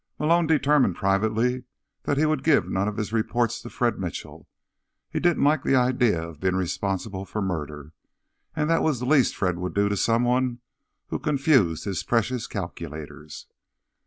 Malone determined privately that he would give none of his reports to Fred Mitchell; he didn't like the idea of being responsible for murder, and that was the least Fred would do to someone who confused his precious calculators.